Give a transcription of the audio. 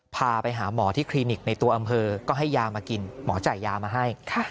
พาไปหาหมอที่คลินิกในตัวอำเภอก็ให้ยามากินหมอจ่ายยามาให้